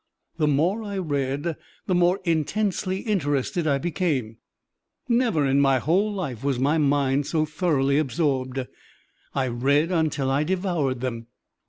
The more I read the more intensely interested I became. Never in my whole life was my mind so thoroughly absorbed. I read until I devoured them."